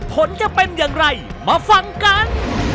ผลจะเป็นอย่างไรมาฟังกัน